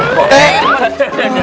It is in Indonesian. jangan buat mehoi begitu